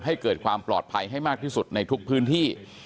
ให้เกิดความปลอดภัยให้มากที่สุดในทุกพื้นที่